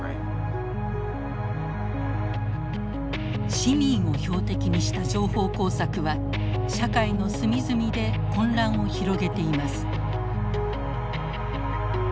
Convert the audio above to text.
市民を標的にした情報工作は社会の隅々で混乱を広げています。